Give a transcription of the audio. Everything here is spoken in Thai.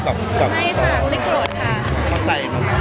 ไม่ค่ะไม่โกรธค่ะ